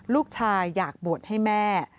ลูกชายอยากบวชให้แม่